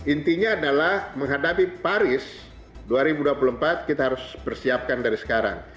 intinya adalah menghadapi paris dua ribu dua puluh empat kita harus persiapkan dari sekarang